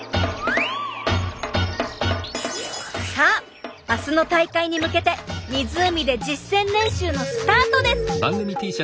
さあ明日の大会に向けて湖で実践練習のスタートです！